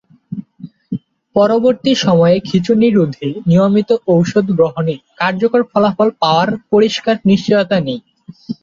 পরবর্তী সময়ে খিঁচুনি রোধে নিয়মিত ওষুধ গ্রহণে কার্যকর ফলাফল পাওয়ার পরিষ্কার নিশ্চয়তা নেই।